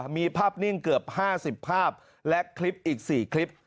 มีภาพนิ่งเกือบ๕๐ภาพและคลิปอีก๔คลิป